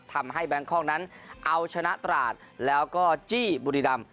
แบงคอกนั้นเอาชนะตราดแล้วก็จี้บุรีดำ